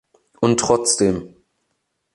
Und trotzdem!